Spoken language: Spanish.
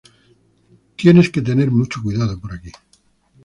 Tienes que tener mucho cuidado por aquí.